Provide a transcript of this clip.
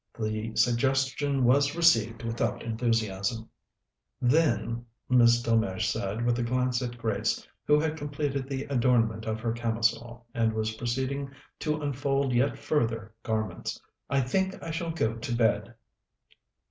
The suggestion was received without enthusiasm. "Then," Miss Delmege said, with a glance at Grace, who had completed the adornment of her camisole, and was proceeding to unfold yet further garments, "I think I shall go to bed."